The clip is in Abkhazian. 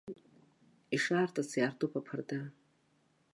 Ишаартыц иаартуп аԥарда!